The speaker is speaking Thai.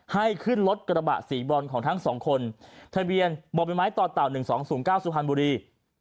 ให้ขึ้นรถกระบะสีบรอนของทั้งสองคนทะเบียนบ่อใบไม้ต่อเต่า๑๒๐๙สุพรรณบุรี